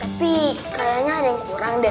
tapi kayaknya ada yang kurang deh